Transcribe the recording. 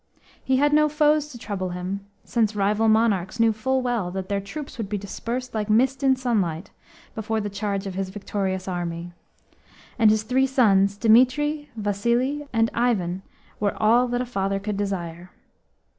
He had no foes to trouble him, since rival monarchs knew full well that their troops would be dispersed like mist in sunlight before the charge of his victorious army, and his three sons, Dimitri, Vasili, and Ivan, were all that a father could desire.